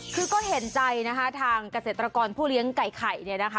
คือก็เห็นใจนะคะทางเกษตรกรผู้เลี้ยงไก่ไข่เนี่ยนะคะ